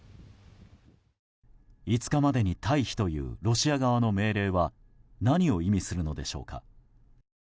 ５日までに退避というロシア側の命令は何を意味するのでしょうか。